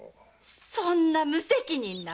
そんな無責任な。